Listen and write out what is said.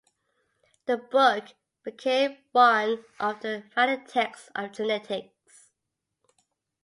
The book became one of the founding texts of genetics.